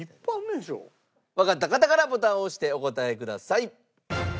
わかった方からボタンを押してお答えください。